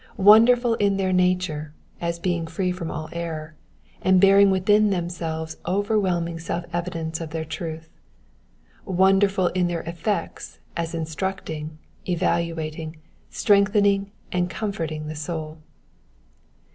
Wonderful in their nature, as being free from all error, and bearing within themselves overwhelming self evidence of their truth ; wonderful in their effects as instructing, elevating, strengthening, and comforting the soul.